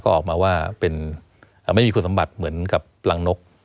ก็ออกมาว่าไม่มีคุณสมบัติเหมือนกับรังนก